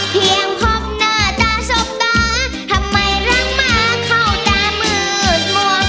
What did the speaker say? เพียงพบหน้าตาสบตาทำไมรักหมาเข้าตามืดมัว